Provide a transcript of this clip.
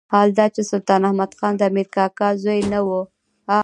حال دا چې سلطان احمد خان د امیر کاکا زوی نه وو.